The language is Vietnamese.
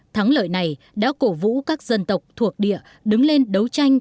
thắng lợi này đã cổ vũ các dân tộc thuộc địa đứng lên đấu tranh